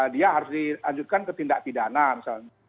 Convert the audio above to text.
dia harus dilanjutkan ke tindak pidana misalnya